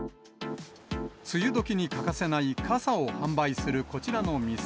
梅雨時に欠かせない傘を販売するこちらの店。